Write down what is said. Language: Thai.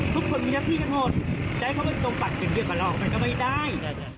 ทุกคนมีหน้าที่กันหมดจะให้เขาไปตรงปักอย่างเดียวกับเรามันก็ไม่ได้